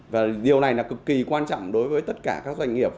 và điều này là cực kỳ quan trọng đối với tất cả các doanh nghiệp